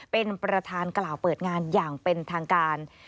เป็นประธานกล่าวเปิดงานอย่างเป็นทางการ